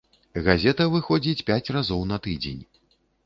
Газета выходзіць пяць разоў на тыдзень.